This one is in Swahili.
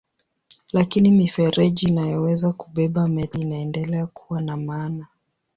Lakini mifereji inayoweza kubeba meli inaendelea kuwa na maana.